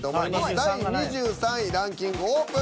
第２３位ランキングオープン。